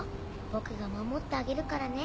僕が守ってあげるからね。